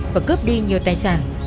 và cướp đi nhiều tài sản